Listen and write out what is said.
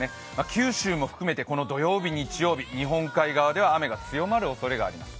九州も含めて、この土曜日、日曜日、日本海側では雨が強まるおそれがあります。